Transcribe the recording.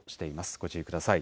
ご注意ください。